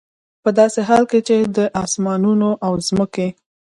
په داسي حال كي چي د آسمانونو او زمكي